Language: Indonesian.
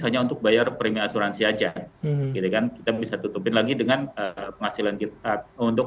hanya untuk bayar premi asuransi aja gitu kan kita bisa tutupin lagi dengan penghasilan kita untuk